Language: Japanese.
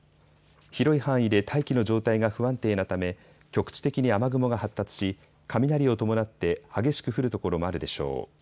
広い範囲で大気の状態が不安定なため局地的に雨雲が発達し雷を伴って激しく降る所もあるでしょう。